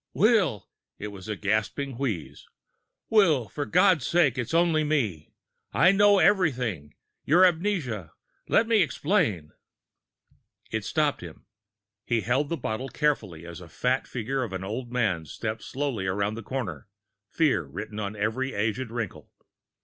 "Will!" It was a gasping wheeze. "Will! For God's sake, it's only me. I know everything your amnesia. But let me explain!" It stopped him. He held the bottle carefully, as the fat figure of an old man stepped softly around the corner, fear written on every aged wrinkle.